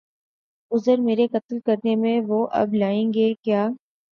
عذر میرے قتل کرنے میں وہ اب لائیں گے کیا